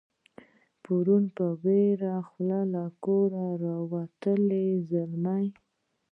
پرون په ویړه خوله له کوره راوتلی زلمی